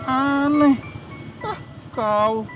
aneh ah kau